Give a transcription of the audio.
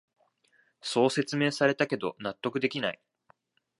そう説明されたけど納得できない